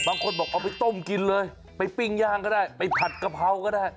บางคนบอกเอาไปต้มกินเลยไปปิ้งย่างก็ได้ไปผัดกะเพราก็ได้